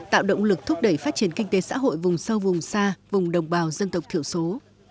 tạo động lực thúc đẩy phát triển kinh tế xã hội vùng sâu vùng xa vùng đồng bào dân tộc thiểu số